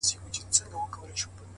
پر کومي لوري حرکت وو حوا څه ډول وه”